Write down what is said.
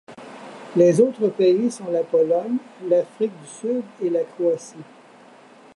Les autres pays sont la Pologne, l'Afrique du Sud et la Croatie.